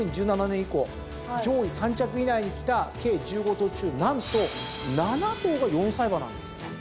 ２０１７年以降上位３着以内にきた計１５頭中何と７頭が４歳馬なんですよね。